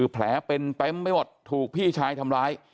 แผลเป็นเต็มไปหมดถูกพี่ชายทำร้าย